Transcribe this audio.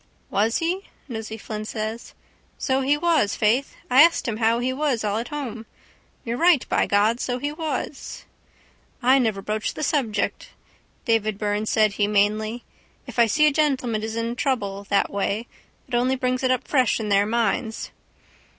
—Was he? Nosey Flynn said. So he was, faith. I asked him how was all at home. You're right, by God. So he was. —I never broach the subject, Davy Byrne said humanely, if I see a gentleman is in trouble that way. It only brings it up fresh in their minds.